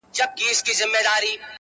چلېدل یې په مرغانو کي امرونه،